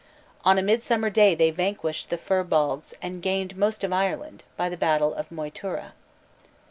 On a Midsummer Day they vanquished the Fir Bolgs and gained most of Ireland, by the battle of Moytura.